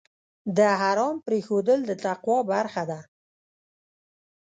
د حرام پرېښودل د تقوی برخه ده.